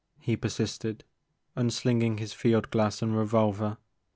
'* he persisted, unslinging his field glass and revolver.